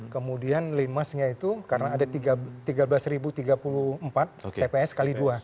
kemudian limasnya itu karena ada tiga belas tiga puluh empat tps x dua